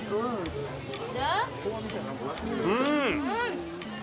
うん。